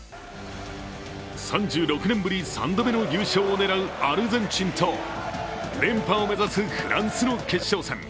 ３６年ぶり３度目の優勝を狙うアルゼンチンと、連覇を目指すフランスの決勝戦。